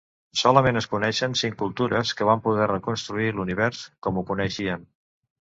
Solament es coneixen cinc cultures que van poder reconstruir l'univers com ho coneixien.